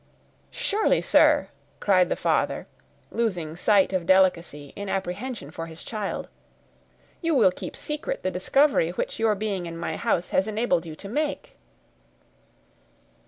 "Surely, sir," cried the father, losing sight of delicacy in apprehension for his child, "you will keep secret the discovery which your being in my house has enabled you to make?"